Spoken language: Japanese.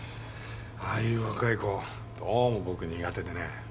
ああいう若い子どうも僕苦手でね。